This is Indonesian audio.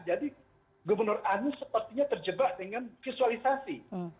jadi gubernur anu sepertinya terjebak dengan visualisasi